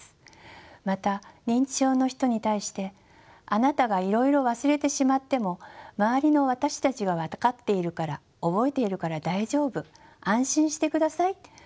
また認知症の人に対してあなたがいろいろ忘れてしまっても周りの私たちが分かっているから覚えているから大丈夫安心してくださいと話すことがあります。